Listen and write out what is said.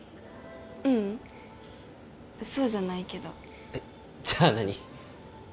ううんそうじゃないけどじゃあ何？